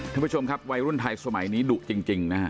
ท่านผู้ชมครับวัยรุ่นไทยสมัยนี้ดุจริงนะฮะ